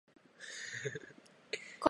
ココア